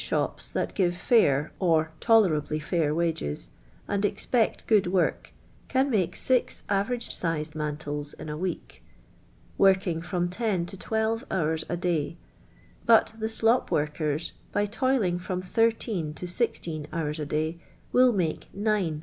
Rhnps that give fair, or tolerably fair wages, and expect ;iood work, can make six avernge si/ed mantle* in a week, tcorlin'i ./Vow ^i' to tirtivr hours a i/«y; but the hlop workiT?. by toil mg from thir teen to sixteen hours a day, will make nUe !